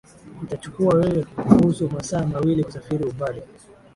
itachukua wewe kuhusu masaa mawili kusafiri umbali